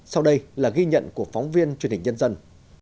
sau đây là ghi nhận của phóng viên truyền hình nhân dân